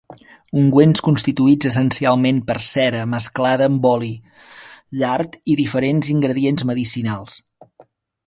Ungüents constituïts essencialment per cera mesclada amb oli, llard i diferents ingredients medicinals.